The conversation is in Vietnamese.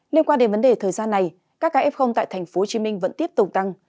liên quan đến vấn đề thời gian này các ga f tại tp hcm vẫn tiếp tục tăng